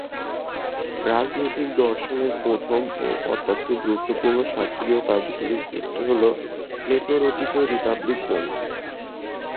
রাজনৈতিক দর্শনের প্রথম ও অত্যন্ত গুরুত্বপূর্ণ শাস্ত্রীয় কাজগুলির একটি হলো প্লেটো রচিত "রিপাবলিক" গ্রন্থ।